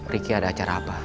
riki ada acara apa